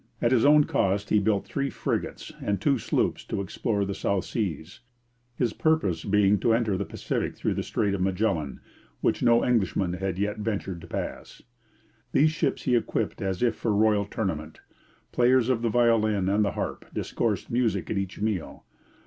At his own cost he built three frigates and two sloops to explore the South Seas, his purpose being to enter the Pacific through the Strait of Magellan, which no Englishman had yet ventured to pass. These ships he equipped as if for royal tournament. Players of the violin and the harp discoursed music at each meal.